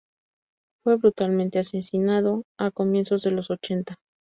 Fue brutalmente asesinado a comienzos de los ochenta.